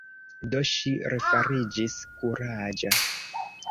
Do ŝi refariĝis kuraĝa.